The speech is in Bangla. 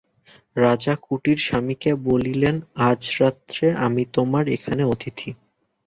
রাজা কুটিরস্বামীকে বলিলেন, আজ রাত্রে আমি তোমার এখানে অতিথি।